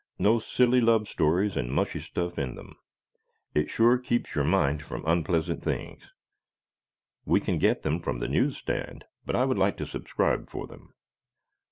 No silly love stories and mushy stuff in them. It sure keeps your mind from unpleasant things. We can get them from the newsstand but I would like to subscribe for them.